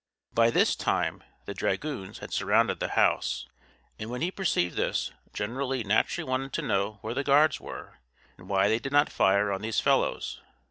By this time the dragoons had surrounded the house; and when he perceived this, General Lee naturally wanted to know where the guards were, and why they did not fire on these fellows.